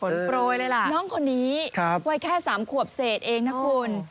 น้องคนนี้วัยแค่๓ขวบเศษเองนะคุณ